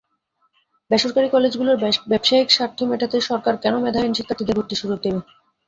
বেসরকারি কলেজগুলোর ব্যবসায়িক স্বার্থ মেটাতে সরকার কেন মেধাহীন শিক্ষার্থীদের ভর্তির সুযোগ দেবে।